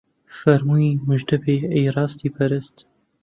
فەرمووی موژدەبێ ئەی ڕاستی پەرست